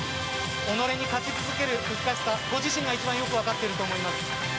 己に勝ち続ける難しさご自身が一番よく分かってると思います。